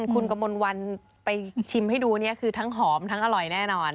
คุณกมลวันไปชิมให้ดูเนี่ยคือทั้งหอมทั้งอร่อยแน่นอน